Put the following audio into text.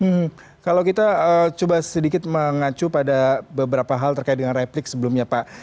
hmm kalau kita coba sedikit mengacu pada beberapa hal terkait dengan replik sebelumnya pak